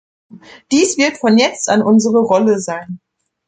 Dies wird von jetzt an unsere Rolle sein.